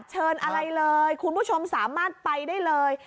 เชิญอะไรเลยคุณผู้ชมสามารถไปได้เลย